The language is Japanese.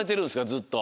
ずっと。